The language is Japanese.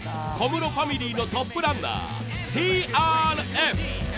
小室ファミリーのトップランナーＴＲＦ。